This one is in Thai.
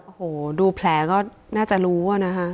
โอ้โหดูแผลก็น่าจะรู้อะนะคะ